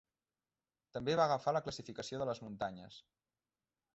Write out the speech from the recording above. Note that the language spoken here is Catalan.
També va agafar la classificació de les muntanyes.